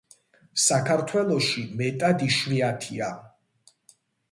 საქართველოში მეტად იშვიათია.